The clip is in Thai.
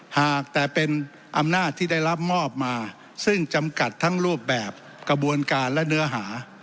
หากแต่เป็นอำนาจที่ได้รับมอบมาซึ่งจำกัดทั้งรูปแบบกระบวนการและเนื้อหา